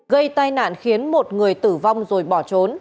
gây tai nạn khiến một người tử vong rồi bỏ trốn